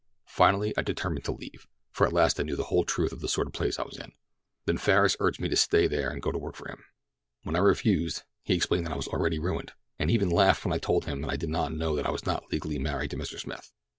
Finally I determined to leave, for at last I knew the whole truth of the sort of place I was in. "Then Farris urged me to stay there and go to work for him. When I refused, he explained that I was already ruined, and even laughed when I told him that I did not know that I was not legally married to Mr. Smith.